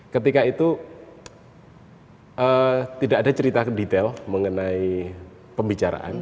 ketika itu tidak ada cerita detail mengenai pembicaraan